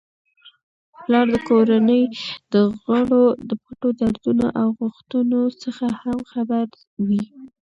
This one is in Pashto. پلار د کورنی د غړو د پټو دردونو او غوښتنو څخه هم خبر وي.